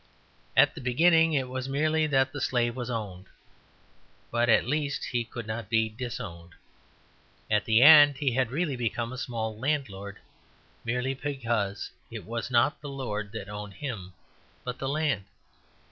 At the beginning it was merely that the slave was owned, but at least he could not be disowned. At the end he had really become a small landlord, merely because it was not the lord that owned him, but the land.